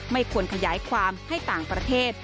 ไม่ควรขยายความให้ต่างประเทศ